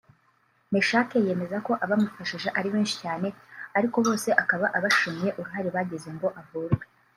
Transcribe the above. Meshak yemeza ko abamufashije ari benshi cyane ariko bose akaba abashimiye uruhare bagize ngo avurwe